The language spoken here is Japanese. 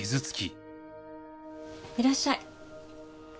いらっしゃい。